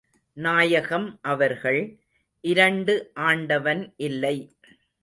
நாயகம் அவர்கள், இரண்டு ஆண்டவன் இல்லை.